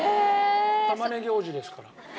玉ねぎ王子ですから。